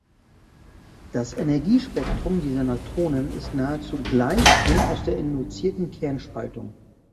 Das Energiespektrum dieser Neutronen ist nahezu gleich dem aus der induzierten Kernspaltung.